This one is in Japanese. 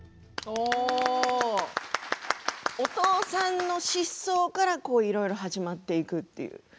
お父さんの失踪からいろいろと始まっていくという。